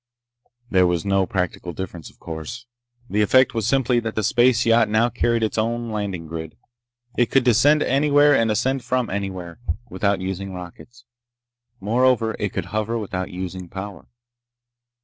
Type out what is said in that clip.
There was no practical difference, of course. The effect was simply that the space yacht now carried its own landing grid. It could descend anywhere and ascend from anywhere without using rockets. Moreover, it could hover without using power.